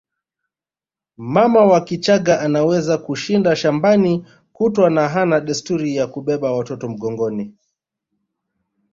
Mama wa Kichagga anaweza kushinda shambani kutwa na hana desturi ya kubeba watoto mgongoni